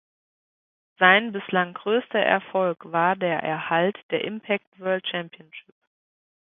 Sein bislang größter Erfolg war der Erhalt der Impact World Championship.